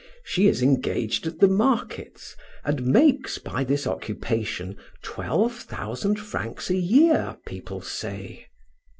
She is engaged at the markets, and makes by this occupation twelve thousand francs a year, people say.